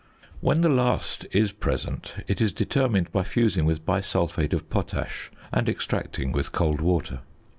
When the last is present it is determined by fusing with bisulphate of potash and extracting with cold water.